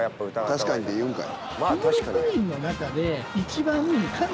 ［確かにって言うんかい］